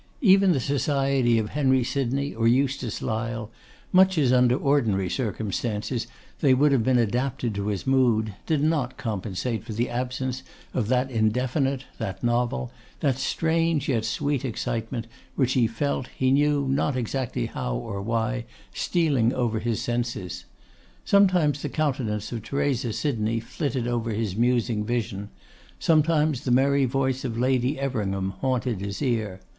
Even the society of Henry Sydney or Eustace Lyle, much as under ordinary circumstances they would have been adapted to his mood, did not compensate for the absence of that indefinite, that novel, that strange, yet sweet excitement, which he felt, he knew not exactly how or why, stealing over his senses. Sometimes the countenance of Theresa Sydney flitted over his musing vision; sometimes the merry voice of Lady Everingham haunted his ear.